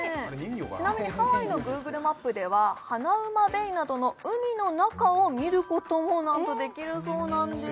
ちなみにハワイのＧｏｏｇｌｅマップではハナウマベイなどの海の中を見ることもなんとできるそうなんです